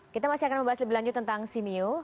kita masih akan membahas lebih lanjut tentang simeo